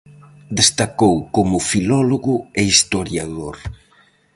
Destacou como filólogo e historiador.